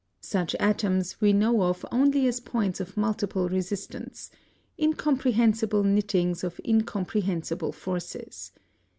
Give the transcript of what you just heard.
Such atoms we know of only as points of multiple resistance, incomprehensible knittings of incomprehensible forces.